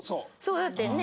だってね